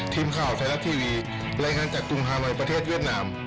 ทีมข่าวไซรัสทีวี